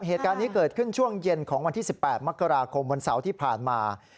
เหตุการณ์นี้เกิดขึ้นช่วงเย็นของวันที่๑๘มกราคมวันเสาร์ที่ผ่านมา